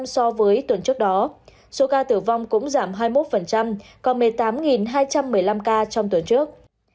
so với tuần trước đó số ca tử vong cũng giảm hai mươi một còn một mươi tám hai trăm một mươi năm ca trong tuần trước